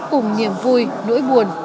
cùng niềm vui nỗi buồn